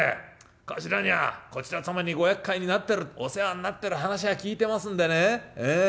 棟梁にはこちら様にごやっかいになってるお世話になってる話は聞いてますんでねええ。